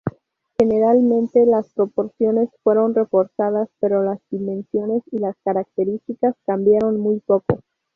Generalmente, las proporciones fueron reforzadas, pero las dimensiones y las características cambiaron muy poco.